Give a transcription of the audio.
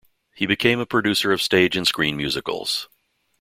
He became a producer of stage and screen musicals.